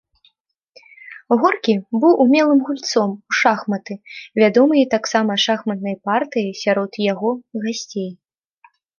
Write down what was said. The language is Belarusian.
Горкі быў умелым гульцом у шахматы, вядомыя таксама шахматныя партыі сярод яго гасцей.